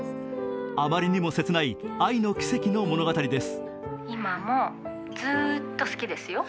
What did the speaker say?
あまりにも切ない愛の奇跡の物語です。